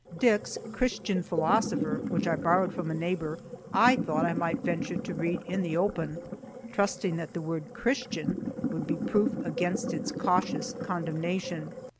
Dick's "Christian Philosopher," which I borrowed from a neighbor, I thought I might venture to read in the open, trusting that the word "Christian" would be proof against its cautious condemnation.